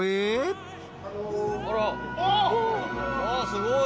すごい。